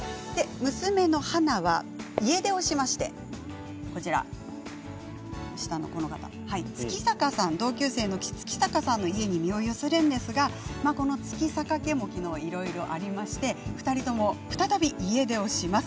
娘の花は家出をしまして月坂さん、同級生の月坂さんの家に身を寄せるんですがこの月坂家でも昨日いろいろありまして２人とも再び家出をします。